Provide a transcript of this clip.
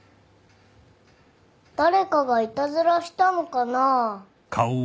誰かがいたずらしたのかな。